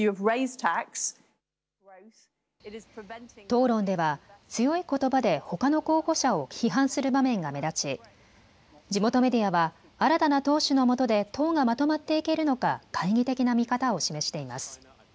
討論では強いことばでほかの候補者を批判する場面が目立ち地元メディアは新たな党首のもとで党がまとまっていけるのか懐疑的な見方を示しています。